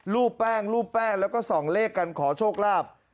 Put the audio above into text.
รูปแป้งรูปแป้งแล้วก็ส่องเลขกันขอโชคลาภ